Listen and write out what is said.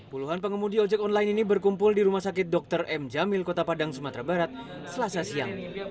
puluhan pengemudi ojek online ini berkumpul di rumah sakit dr m jamil kota padang sumatera barat selasa siang